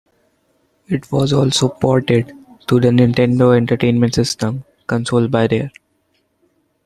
It was also ported to the Nintendo Entertainment System console by Rare.